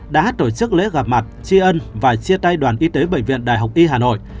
đã tổ chức lễ gặp mặt tri ân và chia tay đoàn y tế bệnh viện đại học y hà nội